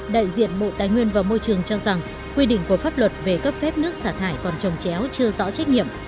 đại diện bộ tài nguyên và môi trường cho rằng quy định của pháp luật về cấp phép nước xả thải còn trồng chéo chưa rõ trách nhiệm